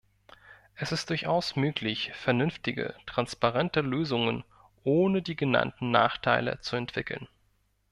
Es ist durchaus möglich, vernünftige transparente Lösungen ohne die genannten Nachteile zu entwickeln.